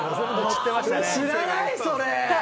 知らないそれ。